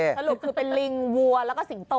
สรุปคือเป็นลิงวัวแล้วก็สิงโต